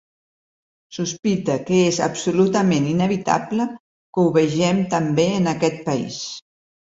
Sospite que és absolutament inevitable que ho vegem també en aquest país.